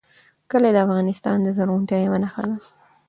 کلي د افغانستان د زرغونتیا یوه نښه ده.